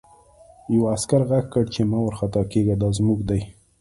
یوه عسکر غږ کړ چې مه وارخطا کېږه دا زموږ دي